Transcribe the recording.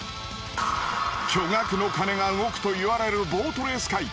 巨額の金が動くといわれるボートレース界。